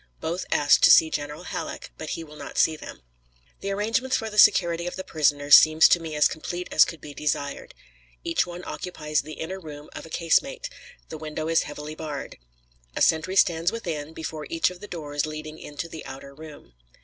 Both asked to see General Halleck, but he will not see them. The arrangements for the security of the prisoners seem to me as complete as could be desired. Each one occupies the inner room of a casemate; the window is heavily barred. A sentry stands within, before each of the doors leading into the outer room.